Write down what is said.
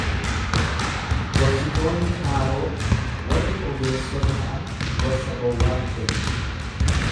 Gorsitoonni Faaroo warri ogeessota ta'an gorsa gowwaa ni kennu.